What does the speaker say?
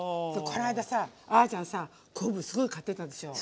この間さあちゃんさ昆布すごい買ってたでしょ。